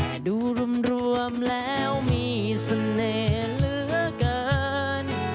แต่ดูรวมแล้วมีเสน่ห์เหลือเกิน